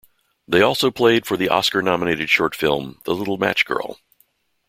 They also played for the Oscar nominated short film, The Little Match Girl.